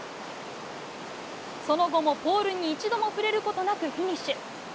その後も、ポールに一度も触れることなくフィニッシュ。